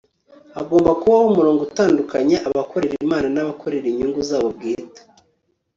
hagomba kubaho umurongo utandukanya abakorera imana n'abakorera inyungu zabo bwite